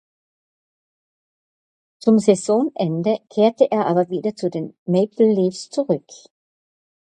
Zum Saisonende kehrte er aber wieder zu den Maple Leafs zurück.